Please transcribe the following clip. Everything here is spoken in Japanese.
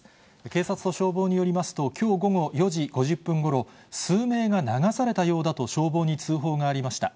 警察と消防によりますと、きょう午後４時５０分ごろ、数名が流されたようだと消防に通報がありました。